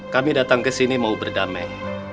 kami datang kesini mau berdamai